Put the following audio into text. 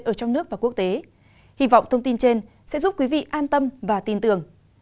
ở trong nước và quốc tế hy vọng thông tin trên sẽ giúp quý vị an tâm và tin tưởng